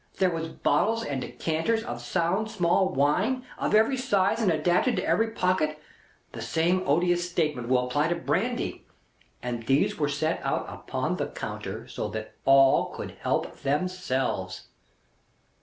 There was bottles and decanters of sound small wine, of every size and adapted to every pocket; the same odious statement will apply to brandy; and these were set out upon the counter so that all could help themselves."